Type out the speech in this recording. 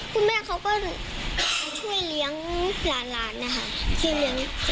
คุณแม่เขาก็ช่วยเลี้ยงหลานนะคะที่เลี้ยง